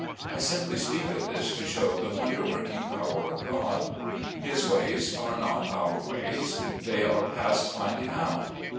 I simply speak of this to show the wonder working power of God. His ways are not our ways. They are past finding out.